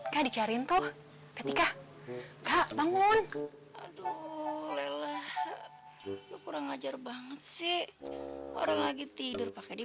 kak dicariin tuh ketika kak bangun aduh lelah kurang ajar banget sih orang lagi tidur pakai di